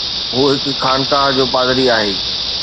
هو هڪ خانقاهه جو پادري آهي.